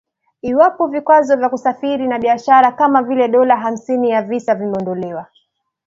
Iwapo vikwazo vya kusafiri na biashara kama vile dola hamsini ya visa vimeondolewa.